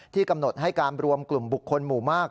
กำหนดให้การรวมกลุ่มบุคคลหมู่มาก